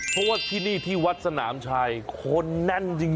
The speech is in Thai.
เพราะว่าที่นี่ที่วัดสนามชัยคนแน่นจริง